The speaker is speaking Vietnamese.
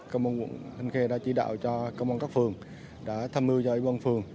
công an quận thanh khê đã chỉ đạo cho công an các phường đã tham mưu cho ủy quân phường